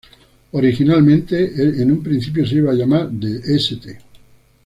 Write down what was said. Originalmente en un principio se iba a llamar "The St.